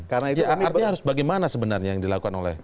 artinya harus bagaimana sebenarnya yang dilakukan oleh